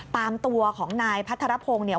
ตามตัวของนายพัทรพงศ์เนี่ย